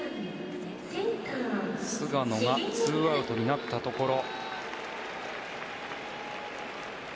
菅野が２アウトになったところ。